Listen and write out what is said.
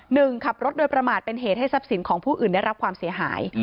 หนึ่งขับรถโดยประมาทเป็นเหตุให้ทรัพย์สินของผู้อื่นได้รับความเสียหาย